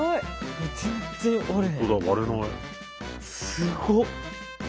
すごっ！